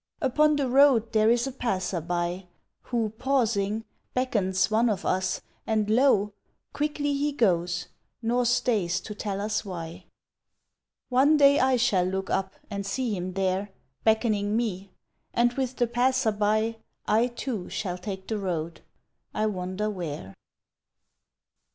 Upon the road there is a Passer By Who, pausing, beckons one of us and lo! Quickly he goes, nor stays to tell us why. One day I shall look up and see him there Beckoning me, and with the Passer By I, too, shall take the road I wonder where?